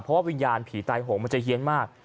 เพราะว่าวิญญาณผีตายโหงมันจะเฮียนมาก